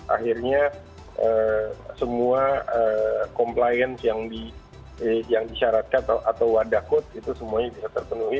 akhirnya semua compliance yang disyaratkan atau wadah kot itu semuanya bisa terpenuhi